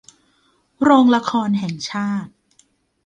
โรงละครแห่งชาติ